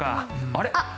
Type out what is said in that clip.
あれ？